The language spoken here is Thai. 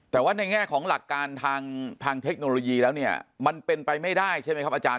แต่ว่าในแง่ของหลักการทางเทคโนโลยีแล้วเนี่ยมันเป็นไปไม่ได้ใช่ไหมครับอาจารย